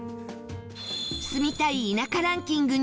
住みたい田舎ランキング